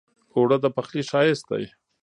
اوړه د پخلي ښايست دی